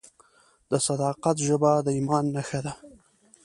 د صداقت ژبه د ایمان نښه ده.